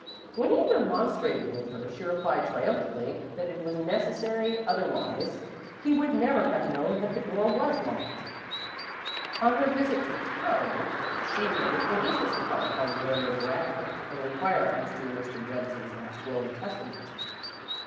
When he remonstrated with her, she replied, triumphantly, that it was necessary otherwise he would never have known that the door was locked. On her first visit to "town" she made it her business to call upon Lawyer Bradford and inquire as to Mr. Judson's last will and testament.